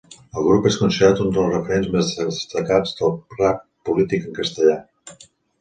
El grup és considerat un dels referents més destacats del rap polític en castellà.